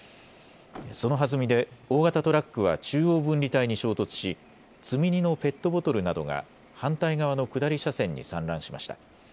そのはずみで大型トラックは中央分離帯に衝突し積み荷のペットボトルなどが反対側の下り車線に散乱しました。